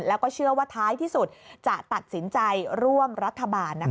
แล้วก็เชื่อว่าท้ายที่สุดจะตัดสินใจร่วมรัฐบาล